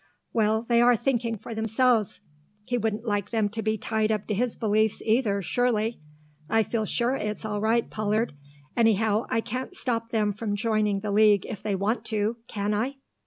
"Well, they are thinking for themselves. He wouldn't like them to be tied up to his beliefs either, surely. I feel sure it's all right, Pollard. Anyhow, I can't stop them joining the League if they want to, can I?"